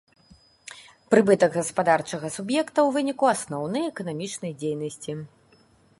Прыбытак гаспадарчага суб'екта ў выніку асноўнай эканамічнай дзейнасці.